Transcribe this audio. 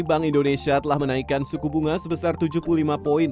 bank indonesia telah menaikkan suku bunga sebesar tujuh puluh lima poin